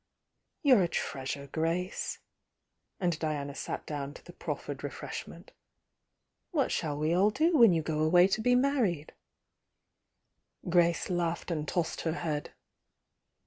"You're a treasure, Grace!" — and Diana sat down to the proffered refreshment. "What shall we all do when you go away to be married?" Grace laughed and tossed her head.